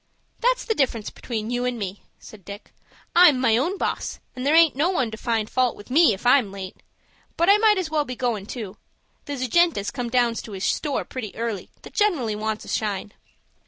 "That's the difference between you and me," said Dick. "I'm my own boss, and there aint no one to find fault with me if I'm late. But I might as well be goin' too. There's a gent as comes down to his store pretty early that generally wants a shine."